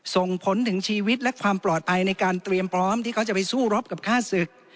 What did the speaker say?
ส่งผลถึงชีวิตและความปลอดภัยในการเตรียมพร้อมที่เขาจะไปสู้รบกับค่าศึก